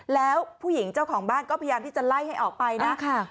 แล้วผู้หญิงเจ้าของบ้านก็พยายามที่จะไล่ให้ออกไปนะ